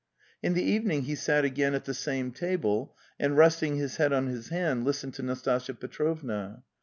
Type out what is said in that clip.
In the evening he sat again at the same table and, resting his head on his hand, listened to Nastasya Petrovna.